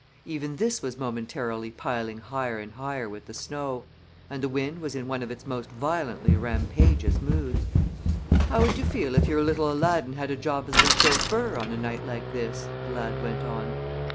Even this was momentarily piling higher and higher with the snow, and the wind was in one of its most violently rampageous moods. "How would you feel if your little Aladdin had a job as a chauffeur on a night like this?" the lad went on.